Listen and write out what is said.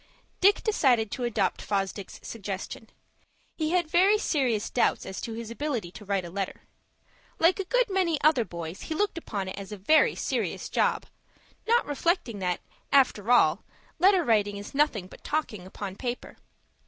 Dick decided to adopt Fosdick's suggestion. He had very serious doubts as to his ability to write a letter. Like a good many other boys, he looked upon it as a very serious job, not reflecting that, after all, letter writing is nothing but talking upon paper.